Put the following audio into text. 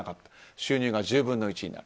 収入が１０分の１になる。